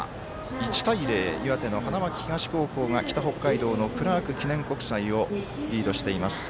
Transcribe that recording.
１対０、岩手の花巻東高校が北北海道のクラーク記念国際をリードしています。